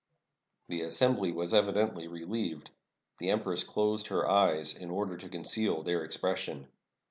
The assembly was evidently relieved. The empress closed her eyes in order to conceal their expression.